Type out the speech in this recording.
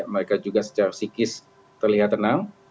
mereka juga secara psikis terlihat tenang